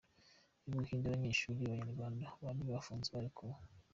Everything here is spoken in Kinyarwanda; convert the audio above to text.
U Buhinde Abanyeshuri b’Abanyarwanda bari bafunzwe barekuwe